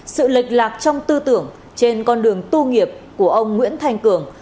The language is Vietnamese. sự lệch lạc trong tư tưởng trên con đường tu nghiệp của ông nguyễn thanh cường